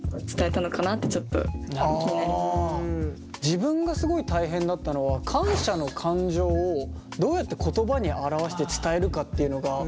自分がすごい大変だったのは感謝の感情をどうやって言葉に表して伝えるかっていうのが。